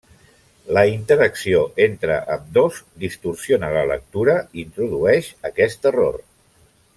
La interacció entre ambdós distorsiona la lectura i introdueix aquest error.